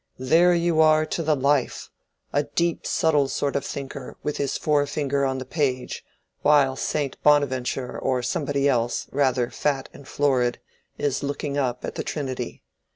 There you are to the life: a deep subtle sort of thinker with his fore finger on the page, while Saint Bonaventure or somebody else, rather fat and florid, is looking up at the Trinity.